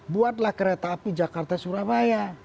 buatlah kereta api jakarta surabaya